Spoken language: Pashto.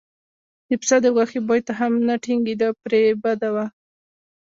د پسه د غوښې بوی ته هم نه ټینګېده پرې یې بده وه.